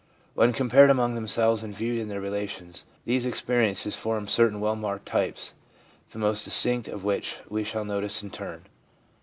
When compared among themselves and viewed in their relations, these experiences form certain well marked types, the most distinct of which we shall notice in turn.